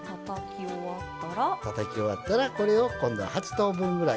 たたき終わったら今度８等分ぐらい。